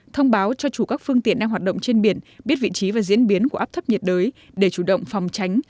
thông báo cho chủ các phương tiện đang hoạt động trên biển biết vị trí và diễn biến của áp thấp nhiệt đới để chủ động phòng tránh